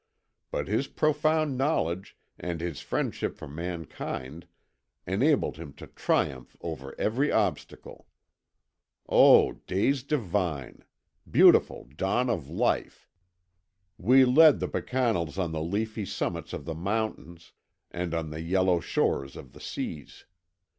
But his profound knowledge and his friendship for mankind enabled him to triumph over every obstacle. O days divine! Beautiful dawn of life! We led the Bacchanals on the leafy summits of the mountains and on the yellow shores of the seas.